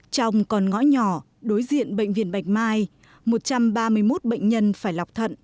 trong con ngõ nhỏ đối diện bệnh viện bạch mai một trăm ba mươi một bệnh nhân phải lọc thận